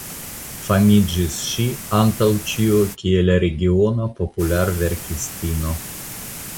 Famiĝis ŝi antaŭ ĉio kiel regiona popularverkistino.